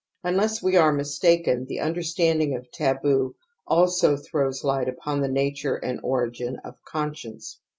Unless we are mistaken, the understanding of taboo also throws light upon the nature and origin of conscience.